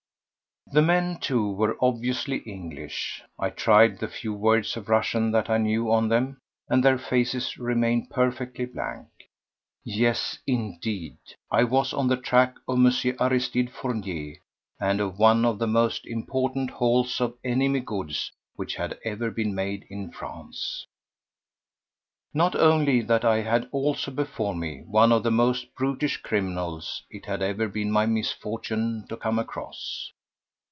The men, too, were obviously English. I tried the few words of Russian that I knew on them, and their faces remained perfectly blank. Yes, indeed, I was on the track of M. Aristide Fournier, and of one of the most important hauls of enemy goods which had ever been made in France. Not only that. I had also before me one of the most brutish criminals it had ever been my misfortune to come across.